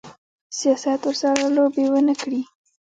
سیاست ورسره لوبې ونه کړي.